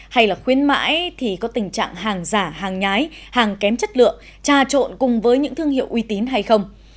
hay là khuyến mãi thì có tình trạng hàng giả hàng nhái hàng kém chất lượng tra trộn cùng với những thương hiệu uy tín hay không